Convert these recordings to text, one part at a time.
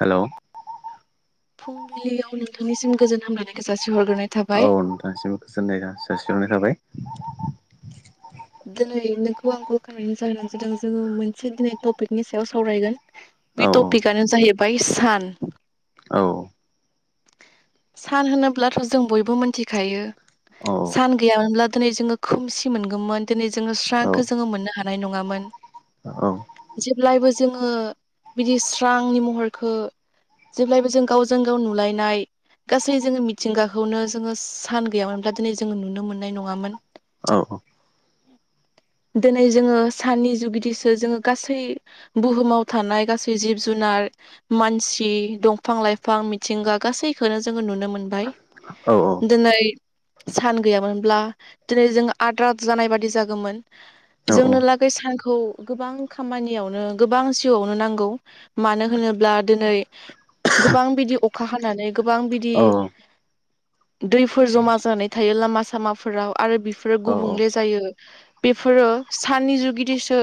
हेल' फुंबिलियाव नोंथांनिसिम गोजोन हामलायनायखौ जासिहरग्रोनाय थाबाय। औ नोंथांसिमबो गोजोननाय जासि जासिहरनाय थाबाय दोनै नोंखौ आं कल खालामनायनि जाहोना जादों जोङो मोनसे दिनै टपिकनि सायाव सावरायगोन औ बे टपिकआनो जाहैबाय सान औ सान होनोब्लाथ' जों बयबो मोन्थिखायो औ सान गैयामोनब्ला दिनै जोङो खोमसि मोनगोमोन दोनै जोङो स्रांखो जोङो मोननो हानाय नङामोन औ जेब्लायबो जोङो बिदि स्रांनि महरखो जेब्लायबो जों गावजों गाव नुलायनाय गासै जोङो मिथिंगाखौनो जोङो सान गैयामोनब्ला दोनै जोङो नुनो मोननाय नङामोन औ औ दिनै जोंङो साननि जुगिदिसो जोंङो गासै बुहुमाव थानाय गासै जिब जुनार मानसि दंफां लाइफां मिथिंगा गासैखौनो जोंङो नुनो मोनबाय। औ दिनै सान गैयामोनब्ला दिनै जों आद्रा जानाय बादि जागौमोन। औ जोंनो लागै सानखौ गोबां खामानियावनो गोबां जिउआवनो नांगौ मानो होनोब्ला दिनै गोबां बिदि अखा हानानै गोबां बिदि दैफोर जमा जानाय थायो लामा सामाफोराव आरो बिफोरो गुबुंले जायो। बेफोरो साननि जुगिदिसो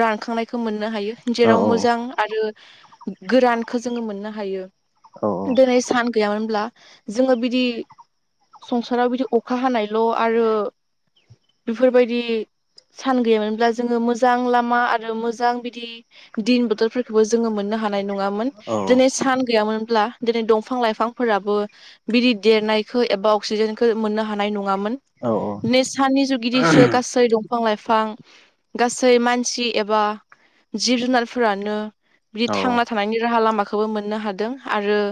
रानखांनायखौ मोननो हायो जेराव मोजां आरो गोरानखौ जोंङो मोननो हायो। दिनै सान गैयामोनब्ला जोंङो बिदि संसाराव बिदि अखा हानायल' आरो बेफोरबायदि बिदि सान गैयामोनब्ला जोंङो मोजां लामा आरो मोजां बिदि दिन बोथोरफोरखौबो जोंङो मोननो हानाय नङामोन। दिनै सान गैयामोनब्ला दिनै दंफां लाइफांफोराबो बिदि देरनायखौ एबा अक्सिजेनखो मोननो हानाय नङामोन। साननि जुगिदिसो गासै दंफां लाइफां गासै मानसि एबा जिब जुनारफोरानो बिदि थांना थानायनि राहा लामाखौबो मोननो हादों आरो।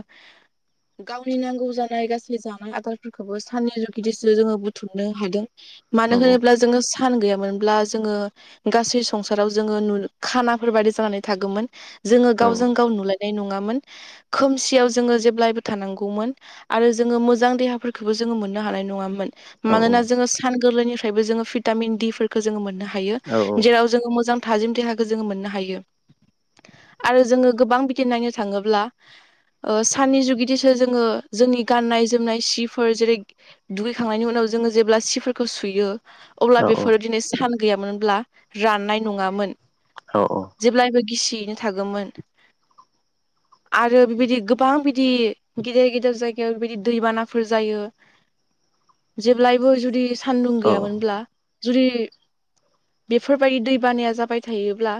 गावनि नांगौ जानाय गासै जानाय आदारफोरखौबो साननि जुगिदिसो जोंङो बुथुमनो हादों। मानो होनोब्ला जोंङो सान गैयामोनब्ला जोंङो गासै संसाराव जोंङो खानाफोर बायदि जानानै थागौमोन। जोंङो गावजों गाव नुलायनाय नङामोन खोमसियाव जोंङो जेब्लायबो थानांगौमोन। आरो जोंङो मोजां देहाफोरखौबो जोंङो मोननो हानाय नङामोन मानोना जोंङो सान गोरलै फ्रायबो जोंङो भिटामिन डि फोरखौ जोंङो मोननो हायो जेराव जोंङो मोजां थाजिम देहाखौ जोंङो मोननो हायो। आरो जोंङो गोबां बिदि नायनो थाङोब्ला साननि जुगिदिसो जोंङो जोंनि गाननाय जोमनाय सिफोर जेरै दुगैखांनायनि उनाव जोंङो जेब्ला सिफोरखौ सुयो अब्ला बेफोरो दिनै सान गैयामोनब्ला राननाय नङामोन। जेब्लायबो गिसियैनो थागौमोन। आरो बेबायदि गोबां बिदि गिदिर गिदिर जायगायाव बेबायदि दैबानाफोर जायो। जेब्लायबो जुदि सानदुं गैयामोनब्ला जुदि बेफोरबायदि दैबानाया जाबाय थायोब्ला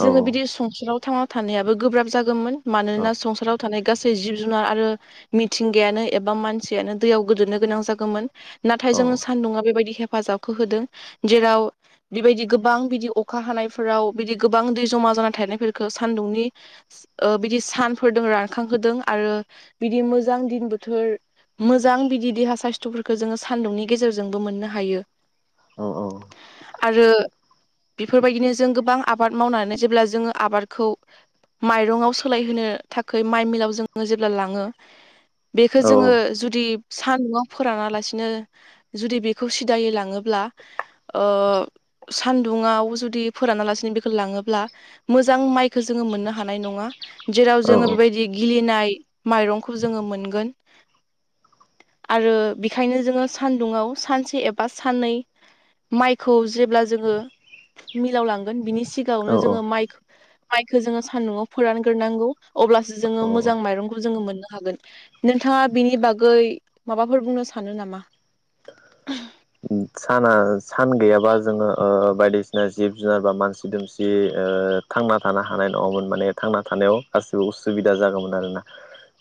जोंङो बिदि संसाराव थांना थानायाबो गोब्राब जागौमोन मानोना संसाराव थानाय गासै जिब जुनार आरो मिथिंगायानो एबा मानसियानो दैयाव गोदोनो गोनां जागौमोन नाथाय जोंङो सान्दुंङा बेबायदि हे हेफाजाबखौ होदों जेराव बेबायदि गोबां बिदि अखा हानायफोराव बिदि गोबां दै जमा जाना थानायफोरखौ सान्दुंनि ओ बिदि सानफोरजों रानखांहोदों आरो बिदि मोजां दिन बोथोर मोजां बिदि देहा साइस्थ'फोरखौ जोंङो सान्दुंनि गेजेरजोंबो मोननो हायो। आरो बेफोरबायदिनो जों गोबां आबाद मावनानै जेब्ला जोंङो आबादखौ माइरंआव सोलायहोनो थाखाय माइ मिलाव जोंङो जेब्ला लाङो बेखो जोंङो जुदि सानदुं आव फोरानालासिनो जुदि बेखौ दायै लाङोब्ला सान्दुङआव जुदि फोरानालासिनो बेखो लाङोब्ला मोजां माइखो जोंङो मोननो हानाय नङा जेराव जोंङो बेबायदि गिलिनाय माइरंखौ जोंङो मोनगोन आरो बेखायनो जोंङो सानदुंङाव सानसे ए बा साननै माइखौ जेब्ला जोङो मिलावलांगोन बिनि सिगाङावनो जोङो माइ माइखौ जोङो सान्दुंआव फोरानग्रोनांगौ अब्लासो जोङो औ मोजां माइरंखौ जोङो मोननो हागोन नोंथाङा बिनि बागै माबाफोर बुंनो सानो नामा साना सान गैयाबा जोङो बायदिसिना जिब जुनार बा मानसि दुमसि थांना थानो हानाय नङामोन माने थांना थानायाव गासिबो उसुबिदा जागौमोन आरो ना [inaudible]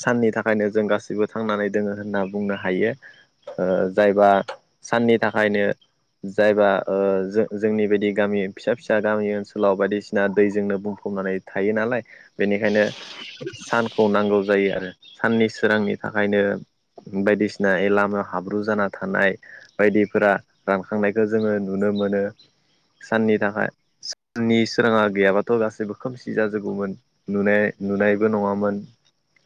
साननि थाखायनो जों गासैबो थांनानै दोङो होनना बुंनो हायो जायबा साननि थाखायनो जायबा जोंनि बदि गामि फिसा फिसा गामि ओनसोलाव बायदिसिना दैजोंनो बुंफबनानै थायो नालाय बेनिखायनो सान खौ नांगौ जायो आरो साननि सोरांनि थाखायनो बायदिसिना एलामायाव हाब्रु जाना थानाय बायदिफोरा रानखांनायखौ जोङो नुनो मोनो साननि थाखाय साननि सोराङा गैयाबाथ' गासैबो खोमसि जाजोबगौमोन नुनाय नुनायबो नङामोन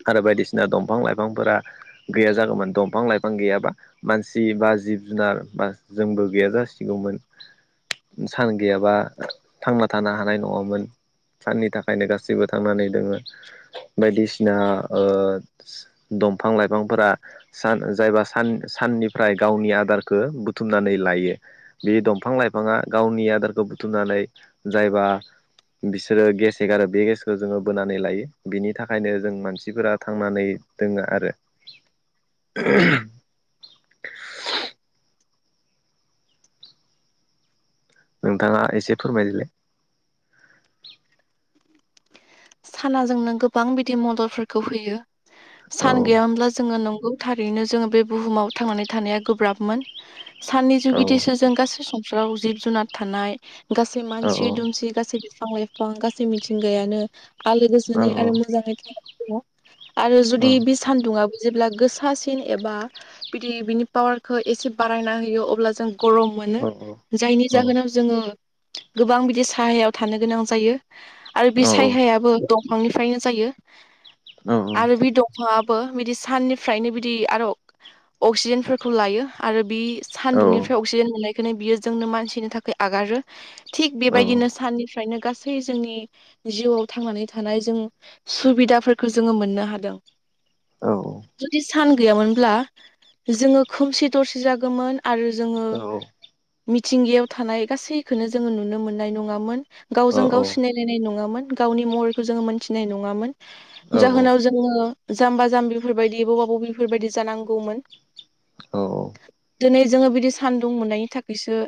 आरो बायदिसिना दंफां लाइफांफोरा गैया जागौमोन दंफां लाइफां गैयाबा मानसि बा जिब जुनार बा जोंबो गैया जासिगौमोन सान गैयाबा थांना थानो हानाय नङामोन साननि थाखायनो गासैबो थांनानै दङो बायदिसिना दंफां लाइफांफोरा जायबा साननिफ्राय गावनि आदारखौ बुथुमनानै लायो बे दंफां लाइफाङा गावनि आदारखौ बुथुमनानै जायबा बिसोरो गेस हेगारो बे गेसखौ जोङो बोनानै लायो बिनि थाखायनो जों मानसिफोराजों थांनानै दोङो आरो [inaudible] [inaudible] [unintelligible] नोंथाङा एसे फोरमायदोलाय साना जोंनो गोबां बिदि मददफोरखौ होयो औ सान गैया मोनब्ला जोङो नंगौ थारैनो जोङो बे बुहुमाव थांनानै थानाया गोब्राबमोन साननि औ जुगिदिस जों गासै संसाराव जिब जुनार थानाय गासै औ मानसि दुमसि गासै बिफां लाइफां गासै मिथिंगायानो आलो औ गोजोनै आरो मोजाङै थांनादङ' आरो जुदि औ बे सान्दुङाबो जेब्ला गोसासिन एबा बिदि बिनि पावारखौ एसे बारायना होयो अब्ला जों गरम मोनो औ जायनि औ जाहोनाव जोङो गोबां बिदि सायहायाव थानो गोनां जायो। आरो बे सायहायाबो दंफांनिफ्रायनो जायो आरो बे दं फांङाबो बिदि साननिफ्रायनो बिदि आरो अक्सिजेनफोरखौ लायो आरो बि सानदुंनिफ्राय अक्सिजेन मोननायखायनो बियो जोंनो मानसिनि थाखाय आगारो थिग बेबायदिनो साननिफ्रायनो गासै जोंनि जिउआव थांनानै थानाय जों सुबिदाफोरखौ जोङो मोननो हादों औ जुदि सान गैयामोनब्ला जोङो खोमसि दरसि जागौमोन आरो जोङो मिथिंगायाव थानाय गासैखोनो जोङो नुनो मोननाय नङामोन। गावजों गाव सिनायलायनाय नङामोन गावनि महरखौ जोङो मोनथिनाय नङामोन औ जाहोनाव जों जोङो जाम्बा जाम्बिफोरबायदि बबा बबिफोरबायदि जानांगौमोन औ दिनै जोङो बिदि सान्दुं मोननायनि थाखायसो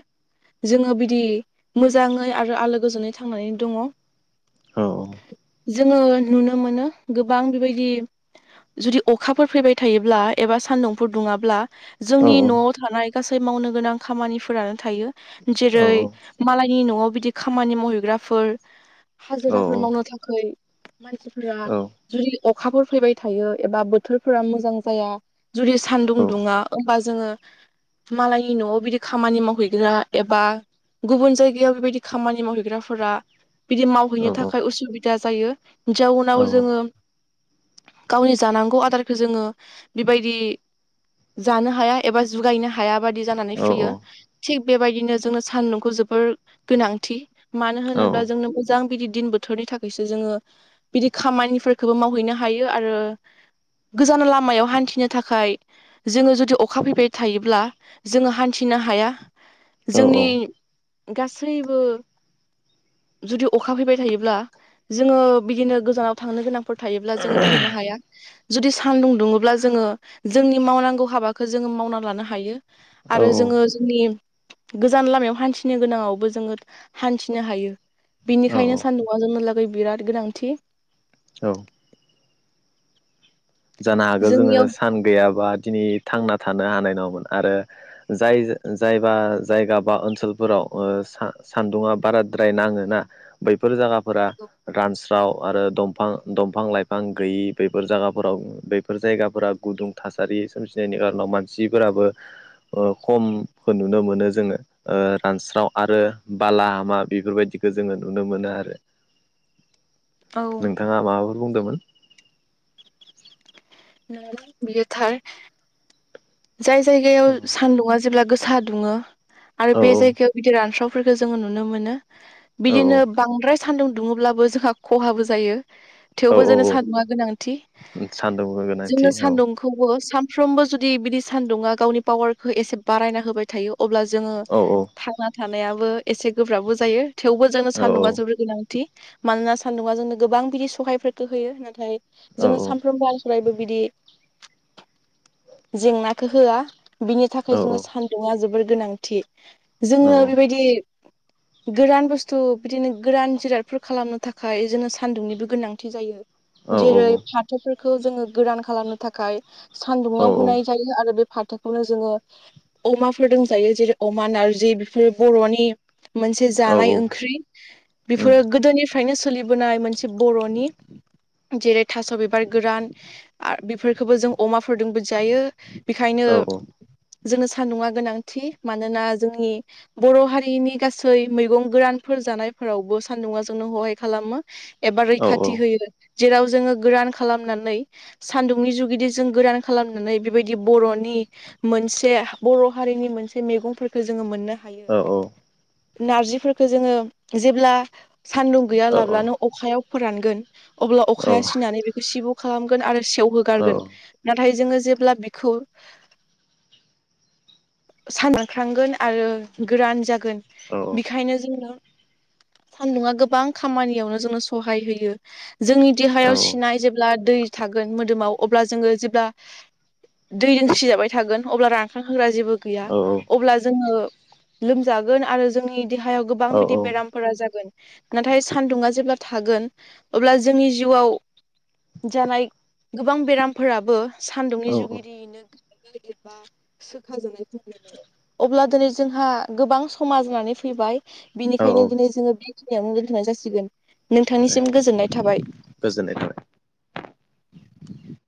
जोङो बिदि मोजाङै आरो आलो गोजोनै थांनानै दङ। औ जोङो नुनो मोनो गोबां बेबायदि जुदि अखाफोर फैबाय थायोब्ला एबा सान्दुंफोर दुङाब्ला औ जोंनि न'आव थानाय गासै मावनो गोनां खामानिफोरानो थायो। जेरै औ मालायनि न'आव बिदि खामानि मावहैग्राफोर हाजिराफोर मावनो जानो थाखाय मानसिफोरा जुदि अखाफोर फैबाय थायो एबा बोथोरफोरा मोजां जाया। जुदि सानदुं दुङा होमबा जोङो मालायनि न'आव बिदि खामानि मावहैग्रा एबा गुबुन जायगायाव बेबायदि खामानि मावहैग्राफोरा बिदि माव हैैनो थाखाय उसुबिदा जायो। जाउनाव जोङो गावनि जानांगौ आदारखौ जोङो बिबायदि जानो हाया एबा जुगायनो हाया बादि जानानै फैयो। थिग बेबायदिनो जोङो सान्दुंखौ जोबोर गोनांथि मानो होनोब्ला जोंनो मोजां बिदि दिन बोथोरनि थाखायसो जोङो बिदि खामानिफोरखौबो मावहैनो हायो आरो गोजान लामायाव हान्थिनो थाखाय जोङो जुदि अखा फैबाय थायोब्ला जोङो हान्थिनो हाया। जोंनि गासैबो जुदि अखा फैबाय थायोब्ला जोङो बिदिनो गोजानाव थांनो गोनांफोर थायोब्ला जोङो थांनो हाया। जुदि सानदुं दुङोब्ला जोङो जोंनि मावनांगौ हाबाखौ जोङो मावना लानो हायो। आरो जोङो जोंनि गोजान लामायाव हान्थिनो गोनाङावबो जोङो हान्थिनो हायो। बिनिखायनो सान्दुंङा जोंनोलागै बिराद गोनांथि। जानो हागौ जोङो जोंनियाव सान गैयाबा दिनै थांना थानो हानाय नङामोन आरो जाय जायबा जायगा बा ओनसोलफोराव ओ सान्दुङा बाराद्राय नाङो ना बैफोर जायगाफोरा रानस्राव आरो दंफां-दंफां लाइफां गैयि बैफोर जायगा फोराव बेफोर जायगाफोरा गुदुं थासारि सोमजिनायनि खारनाव मानसिफोराबो ओ खमखो नुनो मोनो जोङो ओ रानस्राव आरो बाला- हामा बेफोरबायदिखौ जोङो नुनो मोनो आरो। [inaudible] नोंथाङा माबाफोर बुंदोंमोन? बियोथार जाय जायगायाव सानदुङा जेब्ला गोसा दुङो आरो औ बे जायगायाव गिदिर रानस्राव जों नुनो औ बिदिनो बांद्राय सान्दुं दुङोब्लाबो जोंहा खहाबो जायो। औ थेवबो औ जोंनो औ सान्दुंङा गोनांथि सान्दुंनि गोनांथि जोंनो औ सान्दुं खौबो सानफ्रोमबो जुदि बिदि सान्दुङा गावनि पावारखौ एसे बारायना होबाय थायो। अब्ला जोङो औ थांना थानायाबो एसे गोब्राबबो जायो। थेवबो जोङो औ सान्दुंआ जोबोर गोनांथि। मानोना सान्दुंङा जोंनो गोबां बिदि सहायफोरखौ होयो नाथाय औ जोङो सामफ्रोमबो आसरायबो बिदि जेंनाखौ होआ बिनि थाखाय औ जोङो सानदोंङा जोबोर गोनांथि जोङो बेबायदि गोरान बुस्थु बिदिनो गोरान जिरादफोर खालामनो थाखाय बिदिनो सान्दुंनिबो गोनांथि जायो। जेरै फाथोफोरखौ जोङो गोरान खालामनो थाखाय सानदुंङाव औ होनाय जायो। आरो बे फाथोखौनो जोङो अमाफोर दों जायो। जेरै अमा नारजि बेफोरो बर'नि मोनसे औ जानाय ओंख्रि उम बेफोरो गोदोनिफ्रायनो सोलिबोनाय मोनसे बर'नि जेरै थास' बिबार गोरान बेफोरखौबो जों अमाफोरजोंबो जायो। बेखायनो औ जोंनो सान्दुंङा गोनांथि मानोना जोंनि बर' हारिनि गासै मैगं गोरानफोर जानायफोरावबो सान्दुंङा जोंनो हहाय खालामो। एबार औ रैखाथि होयो। जेराव जोङो गोरान खालामनानै सान्दुंनि जुगिदि जों गोरान खालामनानै बेबायदि बरनि मोनसे बर' हारिनि मोनसे मै जोङो मोननो हायो औ नारजिफोरखौ जोङो जेब्ला सान्दुं गैया लाब्लानो औ अखायाव फोरानगोन अब्ला अखाया सिनानै बेखौ सिब खालामगोन आरो सेवहोगारगोन नाथाय जोङो जेब्ला बिखौ सानख्रांगोन आरो गोरान जागोन बेखायनो जोङनो सान्दुंङा गोबां खामानियावनो जोंनो सहाय होयो जोंनि देहायाव सिनाय जेब्ला दै थागोन मोदोमाव अब्ला जोङो जेब्ला दै दोंजाबाय थागोन अब्ला रानखां होग्रा जेबो गैया अब्ला जोङो लोमजागोन आरो जोंनि देहायाव गोबां औ बिदि बेराम फोरा जागोन नाथाय सानदुङा जेब्ला थागोन अब्ला जोंनि जिउआव जानाय गोबां बेरामफोराबो सान्दुंनि जुगगिरियैनो गारो एबा सोखाजानाय अब्ला दिनै जोंहा गोबां समाज होननानै फैबाय बिनिखायनो औ दिनै जोङो बेखिनियावनो दोन्थ'नाय जासिगोन नोंथांनिसिम गोजोननाय थाबाय गोजोननाय थाबाय